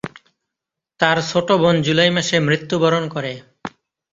তার ছোট বোন জুলাই মাসে মৃত্যুবরণ করে।